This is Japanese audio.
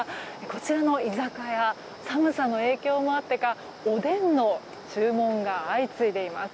こちらの居酒屋寒さの影響もあってかおでんの注文が相次いでいます。